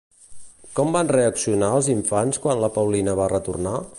Com van reaccionar els infants quan la Paulina va retornar?